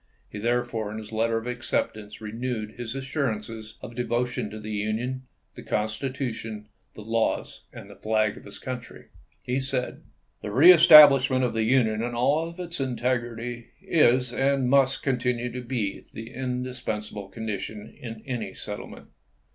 He, therefore, in his letter of acceptance renewed his assurances of devotion to the Union, the Constitution, the laws, and the flag of his country. He said : The reestablishment of the Union in all its integrity is, and mnst continue to be, the indispensable condition in any settlement.